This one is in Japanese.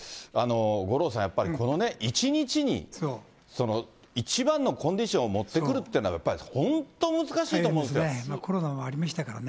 五郎さん、やっぱりこのね、一日に一番のコンディションを持ってくるっていうのはやっぱり、コロナもありましたからね。